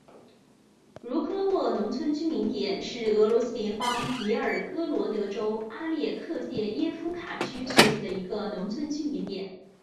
茹科沃农村居民点是俄罗斯联邦别尔哥罗德州阿列克谢耶夫卡区所属的一个农村居民点。